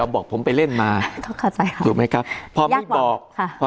บอกผมไปเล่นมาเขาเข้าใจเขาถูกไหมครับพอไม่บอกค่ะ